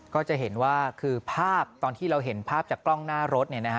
ก็จะเห็นว่าคือภาพตอนที่เราเห็นภาพจากกล้องหน้ารถเนี่ยนะฮะ